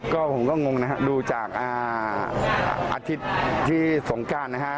ก็ผมก็งงนะฮะดูจากอาทิตย์ที่สงการนะฮะ